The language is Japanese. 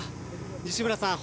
西村さん